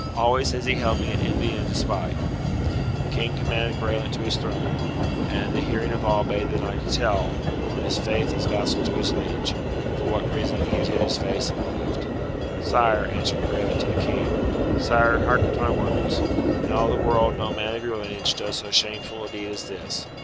Always has he held me in envy and despite." The King commanded Graelent to his throne, and in the hearing of all bade the knight to tell, on his faith as vassal to his liege, for what reason he had hid his face and laughed. "Sire," answered Graelent to the King, "Sire, hearken to my words. In all the world no man of your lineage does so shameful a deed as this.